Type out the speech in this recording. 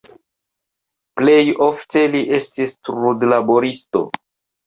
Plej ofte li estis trudlaboristo.